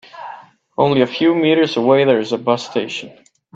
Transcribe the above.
Only a few meters away there is a bus station.